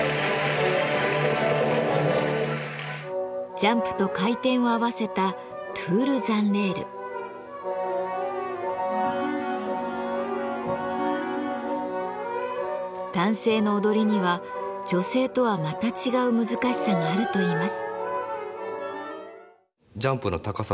ジャンプと回転を合わせた男性の踊りには女性とはまた違う難しさがあるといいます。